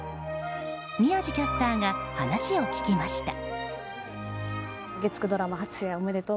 宮司キャスターが話を聞きました。